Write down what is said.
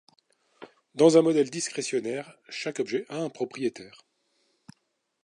Dans un modèle discrétionnaire, chaque objet a un propriétaire.